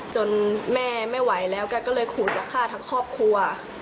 จนแม่ไม่ไหวแล้วแกก็เลยขู่จะฆ่าทั้งครอบครัว